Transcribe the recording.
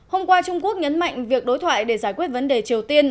hôm qua trung quốc nhấn mạnh việc đối thoại để giải quyết vấn đề triều tiên